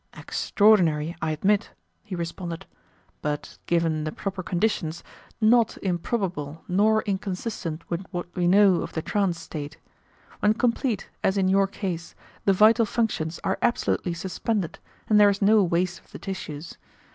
"Extraordinary, I admit," he responded, "but given the proper conditions, not improbable nor inconsistent with what we know of the trance state. When complete, as in your case, the vital functions are absolutely suspended, and there is no waste of the tissues.